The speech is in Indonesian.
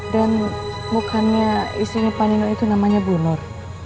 dan bukannya istrinya panino itu namanya bu nur